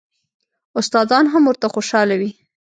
استادان هم ورته خوشاله وي.